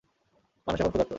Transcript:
মানুষ এখন ক্ষুধার্ত।